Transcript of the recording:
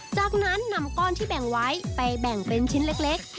จากนั้นนำก้อนที่แบ่งไว้ไปแบ่งเป็นชิ้นเล็ก